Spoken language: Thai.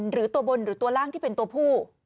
หรือตัวบนหรือตัวล่างที่เป็นตัวผู้